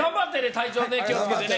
体調ね気をつけてね